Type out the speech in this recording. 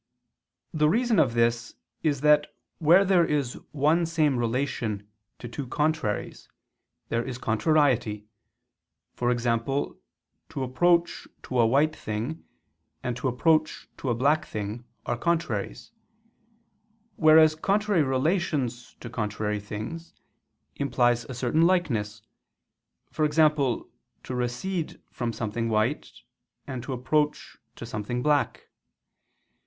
The reason of this is that where there is one same relation to two contraries, there is contrariety; e.g. to approach to a white thing, and to approach to a black thing, are contraries; whereas contrary relations to contrary things, implies a certain likeness, e.g. to recede from something white, and to approach to something black.